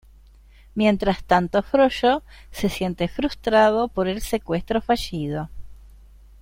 Mientras tanto, Frollo se siente frustrado por el secuestro fallido.